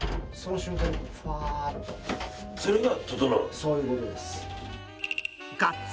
そういうことです。